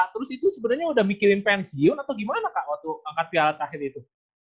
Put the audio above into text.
terus itu sebenarnya udah mikirin pensiun atau gimana kak waktu angkat piala tahir itu